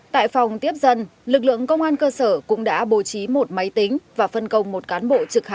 tại phòng tiếp dân lực lượng công an cơ sở cũng đã bố trí một máy tính và phân công một cán bộ trực hai